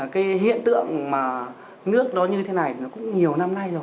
cái hiện tượng mà nước đó như thế này nó cũng nhiều năm nay rồi